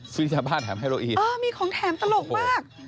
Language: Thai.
ถุงยาบ้าแถมเฮโรอีนอ๋อมีของแถมตลกมาก